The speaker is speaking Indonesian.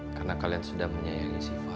karena kalian sudah menyayangi sifat